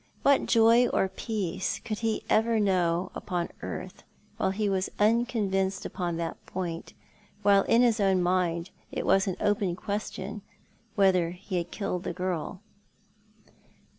What joy or peace could he ever know upon earth while he was unconvinced upon that point, while in his own mind it was an open question whether he had killed the girl